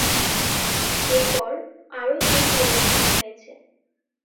এরপর আরও তিনটি অভিযান হয়েছে।